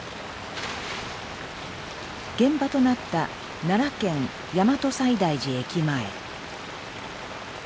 現場となった奈良県大和西大寺駅前。